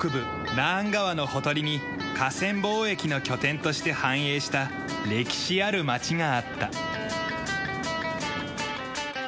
ナーン川のほとりに河川貿易の拠点として繁栄した歴史ある町があった。